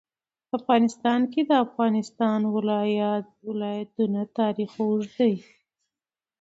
په افغانستان کې د د افغانستان ولايتونه تاریخ اوږد دی.